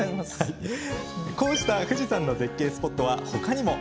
こうした富士山の絶景スポットは他にも。